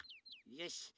よし。